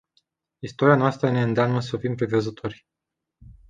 Istoria noastră ne îndeamnă să fim prevăzători.